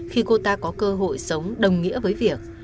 khi cô ta có cơ hội sống đồng nghĩa với việc